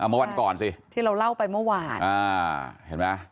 เมื่อวันก่อนสิที่เราเล่าไปเมื่อวานเห็นไหม